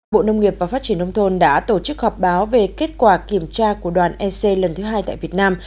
bộ nông nghiệp và phát triển nông thôn đã tổ chức họp báo về kết quả kiểm tra của đoàn ec lần thứ hai tại việt nam